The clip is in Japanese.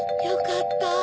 よかった。